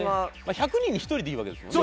１００人に１人でいいわけですもんね。